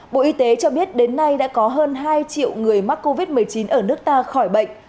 bộ y tế cho biết đến nay đã có hơn hai triệu người mắc covid một mươi chín ở nước ta khỏi bệnh